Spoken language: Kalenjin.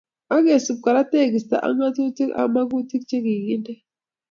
Akesub Kora tekisto ak ngatutik ak magutik che kiginde